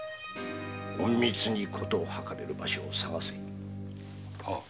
隠密に事を運べる場所を探せ。